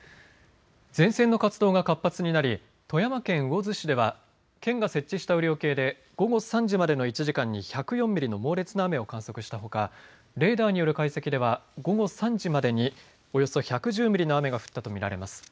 前線の活動が活発になり富山県魚津市では県が設置した雨量計で午後３時までの１時間に１０４ミリの猛烈な雨を観測したほか、レーダーによる解析では午後３時までにおよそ１１０ミリの雨が降ったと見られます。